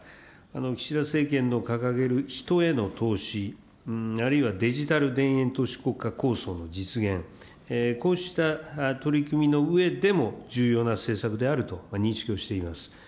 岸田政権の掲げる人への投資、あるいはデジタル田園都市国家構想の実現、こうした取り組みの上でも重要な政策であると認識をしています。